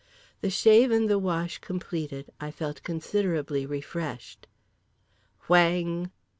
The shave and the wash completed I felt considerably refreshed. WHANG!